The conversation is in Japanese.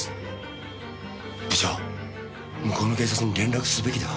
部長向こうの警察に連絡すべきでは。